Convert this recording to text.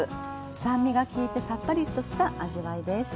酸味が利いてさっぱりとした味わいです。